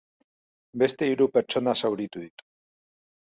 Beste hiru pertsona zauritu ditu.